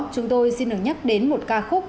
chúng tôi xin được nhắc đến một ca khúc